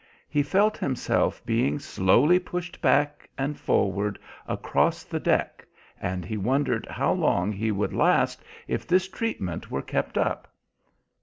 He felt himself being slowly pushed back and forward across the deck, and he wondered how long he would last if this treatment were kept up.